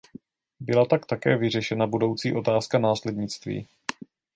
Byla tak také vyřešena budoucí otázka následnictví.